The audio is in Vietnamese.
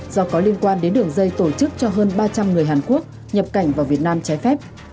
do có liên quan đến đường dây tổ chức cho hơn ba trăm linh người hàn quốc nhập cảnh vào việt nam trái phép